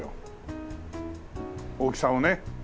大きさをね。